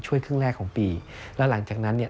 ครึ่งแรกของปีแล้วหลังจากนั้นเนี่ย